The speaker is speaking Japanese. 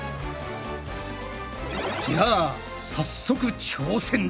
じゃあ早速挑戦だ。